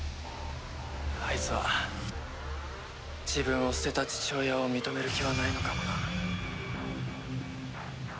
あいつは自分を捨てた父親を認める気はないのかもな。